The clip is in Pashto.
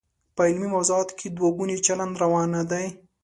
په علمي موضوعاتو کې دوه ګونی چلند روا نه دی.